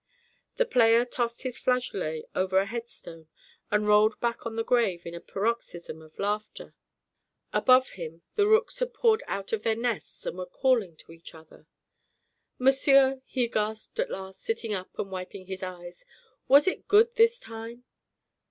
The player tossed his flageolet over a headstone and rolled back on the grave in a paroxysm of laughter. Above him the rooks had poured out of their nests and were calling to each other. "Monsieur," he gasped at last, sitting up and wiping his eyes, "was it good this time?"